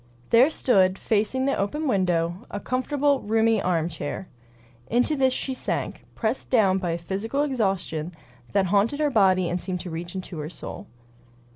There stood, facing the open window, a comfortable, roomy armchair. Into this she sank, pressed down by a physical exhaustion that haunted her body and seemed to reach into her soul.